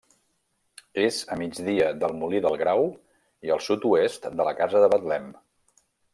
És a migdia del Molí del Grau i al sud-oest de la casa de Betlem.